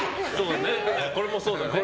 これもそうだね。